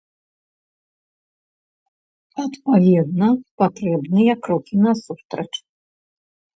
Адпаведна, патрэбныя крокі насустрач.